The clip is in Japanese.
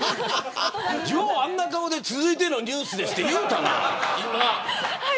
よくあんな顔で続いてのニュースですって言えたな。